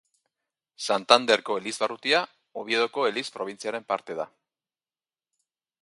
Santanderko elizbarrutia Oviedoko eliz probintziaren parte da.